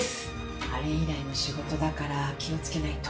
あれ以来の仕事だから気を付けないと。